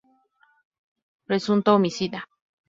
Presunto homicida